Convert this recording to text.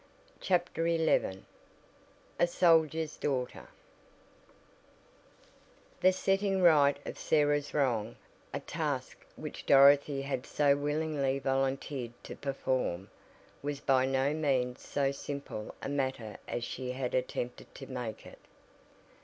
CHAPTER XI A SOLDIER'S DAUGHTER The setting right of Sarah's wrong a task which Dorothy had so willingly volunteered to perform, was by no means so simple a matter as she had attempted to make it.